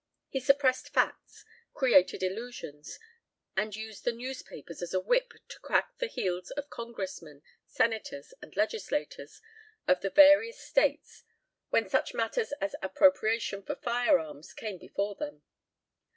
He suppressed facts, created illusions, and used the newspapers as a whip to crack at the heels of congressmen, senators, and legislators, of the various states, when such matters as appropriation for firearms came before them.